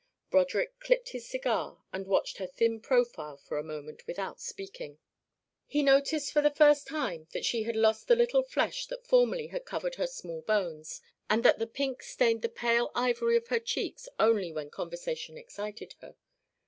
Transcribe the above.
Broderick clipped his cigar and watched her thin profile for a moment without speaking. He noticed for the first time that she had lost the little flesh that formerly had covered her small bones, and that the pink stained the pale ivory of her cheeks only when conversation excited her.